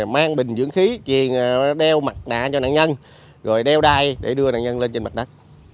mang bình dưỡng khí đeo mặt nạ cho nạn nhân rồi đeo đai để đưa nạn nhân lên trên mặt đất